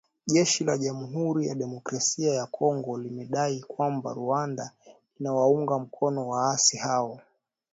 Jeshi la jamhuri ya kidemokrasia ya Kongo limedai kwamba Rwanda inawaunga mkono waasi hao